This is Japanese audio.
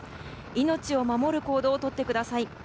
命を守る行動をとってください。